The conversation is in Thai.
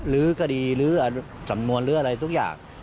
ลื้อคดีลื้อสำนวนหรืออะไรทุกอย่าง